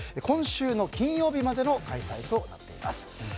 今週の金曜日までの開催となっています。